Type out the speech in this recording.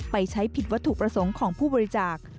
ไปใช้ผิดวัตถุประสงค์ของผู้บริจาค